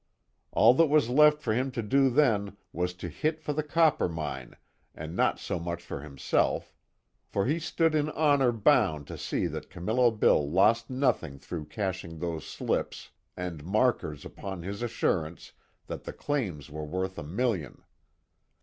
All that was left for him to do then was to hit for the Coppermine, and not so much for himself, for he stood in honor bound to see that Camillo Bill lost nothing through cashing those slips and markers upon his assurance that the claims were worth a million.